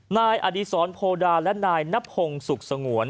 นายอดีศรโพดาและนายนพงศุกร์สงวน